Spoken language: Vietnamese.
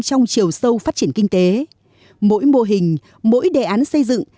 trong chiều sâu phát triển kinh tế mỗi mô hình mỗi đề án xây dựng